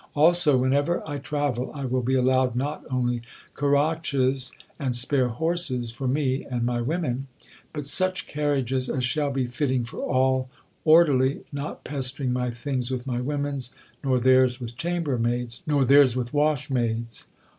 Also, whenever I travel, I will be allowed not only carroches and spare horses for me and my women, but such carriages as shall be fitting for all, orderly, not pestering my things with my women's, nor theirs with chambermaids, nor theirs with washmaids.